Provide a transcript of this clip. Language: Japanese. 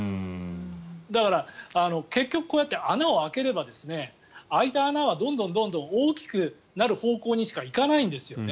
だから、結局こうやって穴を開ければ開いた穴はどんどん大きくなる方向にしか行かないんですよね。